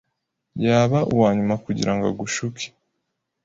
Yaba uwanyuma kugirango agushuke.